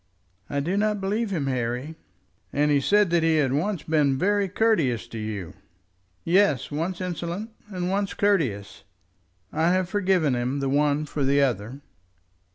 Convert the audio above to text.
"I do not believe him, Harry." "And he said that he had once been very courteous to you " "Yes; once insolent, and once courteous. I have forgiven the one for the other."